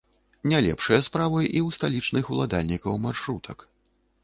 Не лепшыя справы і ў сталічных уладальнікаў маршрутак.